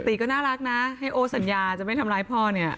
ติก็น่ารักนะให้โอ๊ตสัญญาจะไม่ทำร้ายพ่อเนี่ย